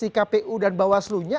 di kpu dan bawaslunya